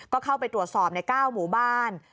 ก็เข้าไปตรวจสอบใน๙หมู่บ้าน